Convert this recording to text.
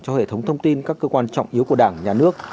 cho hệ thống thông tin các cơ quan trọng yếu của đảng nhà nước